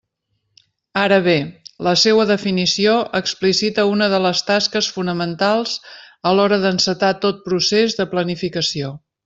Ara bé, la seua definició explicita una de les tasques fonamentals a l'hora d'encetar tot procés de planificació.